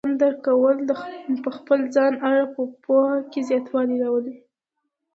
د ځان درک کول په خپل ځان اړه پوهه کې زیاتوالی راولي.